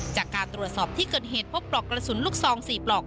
จากการตรวจสอบที่เกิดเหตุพบปลอกกระสุนลูกซอง๔ปลอก